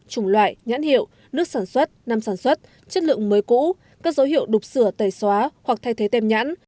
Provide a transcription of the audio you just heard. chủng loại nhãn hiệu nước sản xuất năm sản xuất chất lượng mới cũ các dấu hiệu đục sửa tẩy xóa hoặc thay thế tèm nhãn